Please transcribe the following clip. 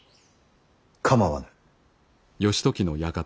構わぬ。